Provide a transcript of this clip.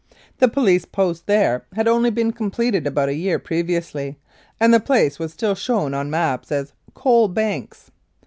The Police Post there had only been completed about a year previously, and the place was still shown on maps as "Coal Banks."